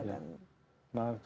iya lama lama tetap ya